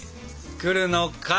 来るのかい。